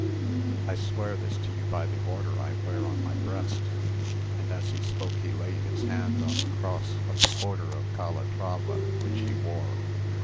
I swear this to you by the order I wear on my breast;" and as he spoke he laid his hand on the cross of the order of Calatrava which he wore.